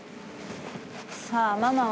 さぁママは。